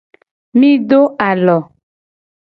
Mi do alo.